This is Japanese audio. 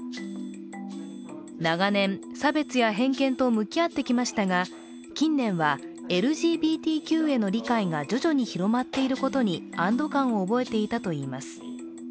長年、差別や偏見と向き合ってきましたが、近年はＬＧＢＴＱへの理解が徐々に広まっていることに安ど感を覚えていたといいます。